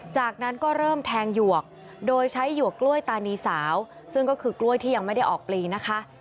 จากนั้นก็เริ่มแทงหยวกโดยใช้หยวกกล้วยตานีสาวซึ่งก็คือกล้วยที่ยังไม่ได้ออกปลีนะคะ